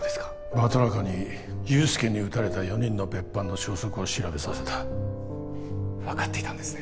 バトラカに憂助に撃たれた４人の別班の消息を調べさせた分かっていたんですね？